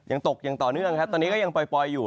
ยังตกอย่างต่อเนื่องครับตอนนี้ก็ยังปล่อยอยู่